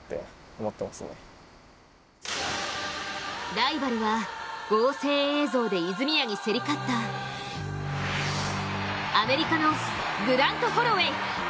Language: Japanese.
ライバルは合成映像で泉谷に競り勝ったアメリカのグラント・ホロウェイ。